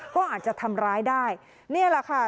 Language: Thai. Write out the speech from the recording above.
ก็อาจจะทำร้ายได้นี่แหละค่ะ